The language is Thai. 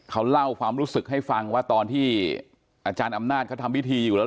เขาเล่าความรู้สึกให้ฟังว่าตอนที่อาจารย์อำนาจเขาทำพิธีอยู่แล้ว